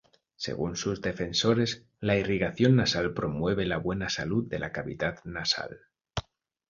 Según sus defensores, la irrigación nasal promueve la buena salud de la cavidad nasal.